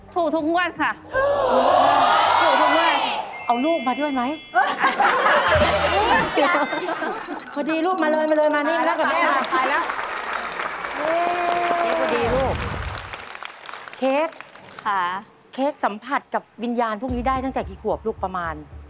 ถูกทุกวันค่ะ